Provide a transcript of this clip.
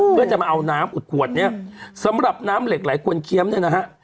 เพื่อจะมาเอาน้ำอุดขวดเนี่ยสำหรับน้ำเหล็กไหลกวนเคี้ยมเนี่ยนะฮะ